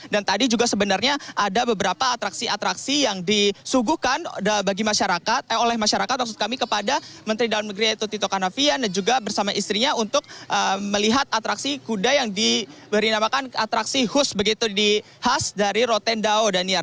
dan tadi juga sebenarnya ada beberapa atraksi atraksi yang disuguhkan oleh masyarakat kepada menteri dalam negeri tito canavian dan juga bersama istrinya untuk melihat atraksi kuda yang diberi namakan atraksi hus begitu di khas dari rote ndawo daniar